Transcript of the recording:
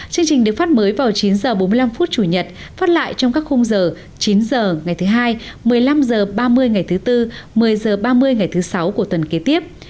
chương trình được phát mới vào chín h bốn mươi năm phút chủ nhật phát lại trong các khung giờ chín h ngày thứ hai một mươi năm h ba mươi ngày thứ tư một mươi h ba mươi ngày thứ sáu của tuần kế tiếp